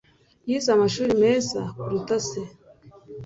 Yize amashuri meza kuruta se.